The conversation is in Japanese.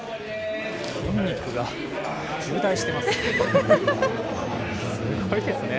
筋肉が渋滞してますね。